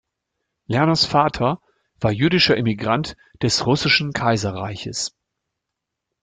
Lerners Vater war jüdischer Emigrant des Russischen Kaiserreiches.